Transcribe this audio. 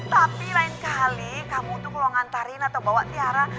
tapi lain kali kamu tuh kalau ngantarin atau bawa tiara